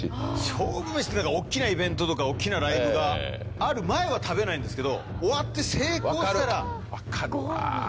勝負めしって大っきなイベントとか大っきなライブがある前は食べないんですけど終わって。